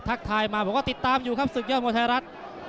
ทายมาบอกว่าติดตามอยู่ครับศึกยอดมวยไทยรัฐ